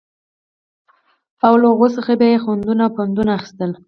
او له هغو څخه به يې خوندونه او پندونه اخيستل